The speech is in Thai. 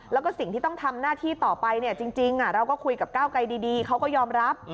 แล้วก็สิ่งที่ต้องทำหน้าที่ต่อไปเนี่ยจริงเราก็คุยกับก้าวไกลดีเขาก็ยอมรับ